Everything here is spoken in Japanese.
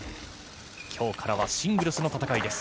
今日からはシングルスの戦いです。